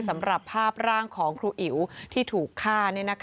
สำหรับภาพร่างของครูอิ๋วที่ถูกฆ่า